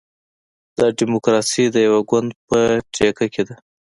دا ډیموکراسي د یوه ګوند په ټیکه کې ده.